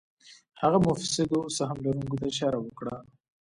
هغه مفسدو سهم لرونکو ته اشاره وکړه.